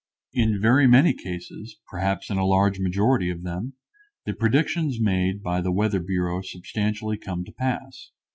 In very many cases, perhaps in a large majority of them, the predictions made by the weather bureau substantially come to pass.